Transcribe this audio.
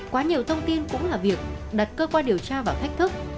quá nhiều thông tin cũng là việc đặt cơ quan điều tra vào thách thức